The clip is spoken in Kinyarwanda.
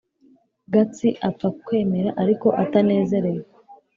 Gatsi apfa kwemera, ariko atanezerewe.